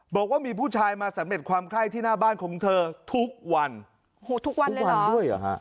บอกว่ามีผู้ชายมาสำเร็จความไข้ที่หน้าบ้านของเธอทุกวันโอ้โหทุกวันเลยเหรอด้วยเหรอฮะ